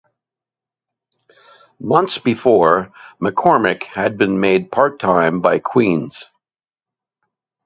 Months before, McCormack had been made part-time by Queen's.